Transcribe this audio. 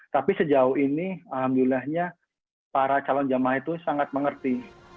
tapi sejauh ini alhamdulillahnya para calon jemaah itu sangat mengerti